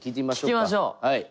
聞きましょう！